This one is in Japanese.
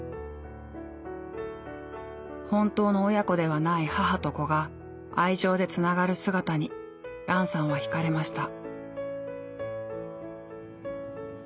本当の親子ではない母と子が愛情でつながる姿にランさんは惹かれました。